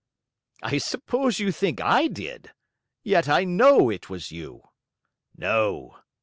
"I suppose you think I did! Yet I KNOW it was you." "No!"